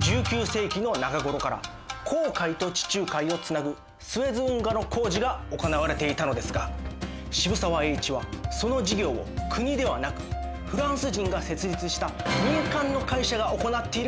１９世紀の中頃から紅海と地中海をつなぐスエズ運河の工事が行われていたのですが渋沢栄一はその事業を国ではなくフランス人が設立した民間の会社が行っていることに驚きました。